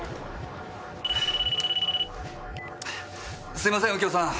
すいません右京さん！